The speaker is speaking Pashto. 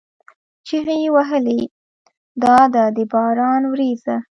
چیغې یې وهلې: دا ده د باران ورېځه!